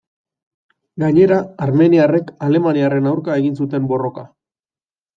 Gainera, armeniarrek alemaniarren aurka egin zuten borroka.